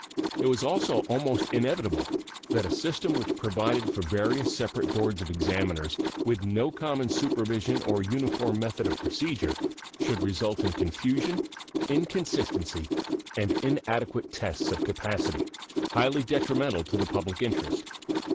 It was also almost inevitable that a system which provided for various separate boards of examiners, with no common supervision or uniform method of procedure, should result in confusion, inconsistency, and inadequate tests of capacity, highly detrimental to the public interest.